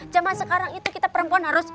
zaman sekarang itu kita perempuan harus